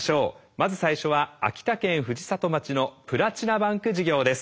まず最初は秋田県藤里町の「プラチナバンク事業」です。